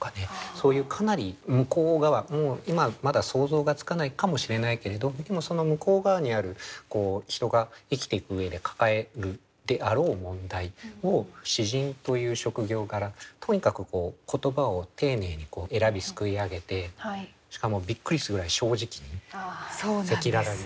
そういうかなり向こう側今はまだ想像がつかないかもしれないけれどその向こう側にある人が生きていく上で抱えるであろう問題を詩人という職業柄とにかく言葉を丁寧に選びすくい上げてしかもびっくりするぐらい正直に赤裸々に。